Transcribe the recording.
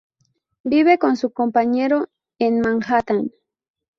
Vive con su compañero en Manhattan.